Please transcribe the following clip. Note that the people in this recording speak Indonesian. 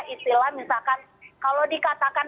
istilah misalkan kalau dikatakan